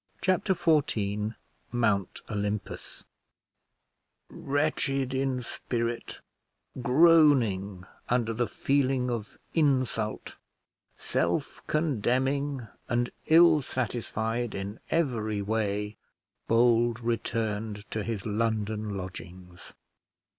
Chapter XIV MOUNT OLYMPUS Wretched in spirit, groaning under the feeling of insult, self condemning, and ill satisfied in every way, Bold returned to his London lodgings.